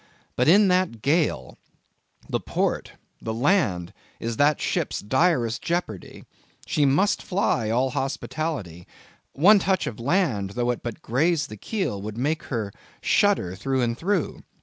But in that gale, the port, the land, is that ship's direst jeopardy; she must fly all hospitality; one touch of land, though it but graze the keel, would make her shudder through and through.